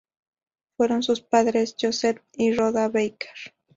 Fueron sus padres Joseph y Rhoda Baker.